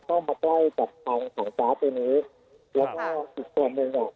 เข้ามาใกล้กับฝั่งฝั่งซ้ายตรงนี้แล้วถ้าอีกส่วนหนึ่งเนี่ย